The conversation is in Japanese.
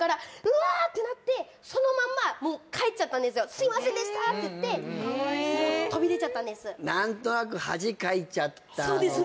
すいませんでしたって言って飛び出ちゃったんです何となくそうです